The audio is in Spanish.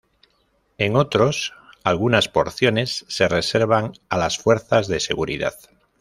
En otros, algunas porciones se reservan a las fuerzas de seguridad.